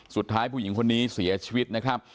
สุดท้ายผู้หญิงคนนี้เสียชีวิตนะครับ